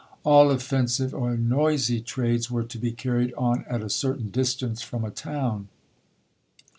All offensive or noisy trades were to be carried on at a certain distance from a town.